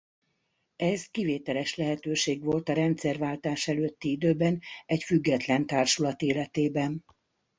Ez kivételes lehetőség volt a rendszerváltás előtti időben egy független társulat életében.